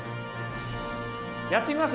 やってみます？